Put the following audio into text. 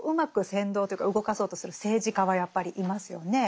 扇動というか動かそうとする政治家はやっぱりいますよね。